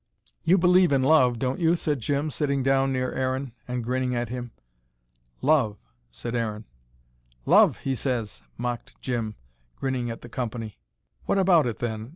"You believe in love, don't you?" said Jim, sitting down near Aaron, and grinning at him. "Love!" said Aaron. "LOVE! he says," mocked Jim, grinning at the company. "What about it, then?"